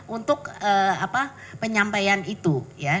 untuk apa penyampaian itu ya